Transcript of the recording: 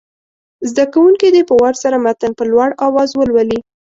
زده کوونکي دې په وار سره متن په لوړ اواز ولولي.